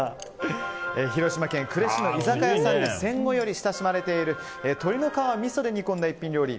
広島県呉市の居酒屋さんで戦後より親しまれている鶏の皮をみそで煮込んだ一品料理